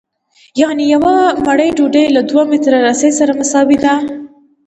یانې یوه مړۍ ډوډۍ له دوه متره رسۍ سره مساوي ده